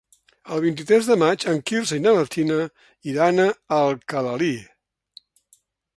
El vint-i-tres de maig en Quirze i na Martina iran a Alcalalí.